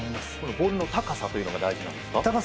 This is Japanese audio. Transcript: ボールの高さが大事なんですか。